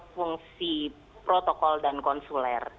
fungsi protokol dan konsuler